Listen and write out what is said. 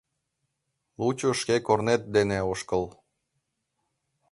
Лучо шке корнет дене ошкыл.